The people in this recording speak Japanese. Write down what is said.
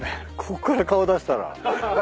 ここから顔出したら。